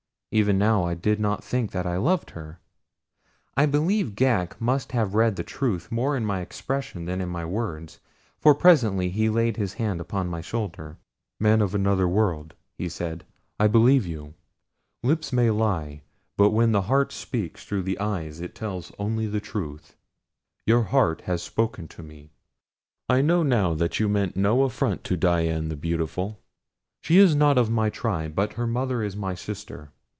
Even now I did not think that I loved her. I believe Ghak must have read the truth more in my expression than in my words, for presently he laid his hand upon my shoulder. "Man of another world," he said, "I believe you. Lips may lie, but when the heart speaks through the eyes it tells only the truth. Your heart has spoken to me. I know now that you meant no affront to Dian the Beautiful. She is not of my tribe; but her mother is my sister.